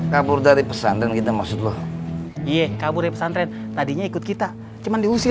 kabur dari pesantren kita maksudnya iya kabur pesantren tadinya ikut kita cuman diusir